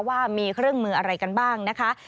ว่ามีเครื่องมืออะไรกันบ้างนะคะ